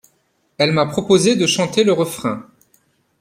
Elle m'a proposé de chanter le refrain.